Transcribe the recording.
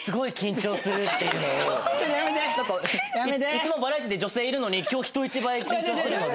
いつもバラエティで女性いるのに今日人一倍緊張してるので。